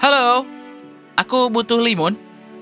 halo aku butuh limun